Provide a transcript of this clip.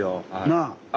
なあ。